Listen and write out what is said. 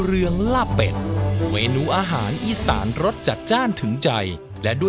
เรืองลาบเป็ดเมนูอาหารอีสานรสจัดจ้านถึงใจและด้วย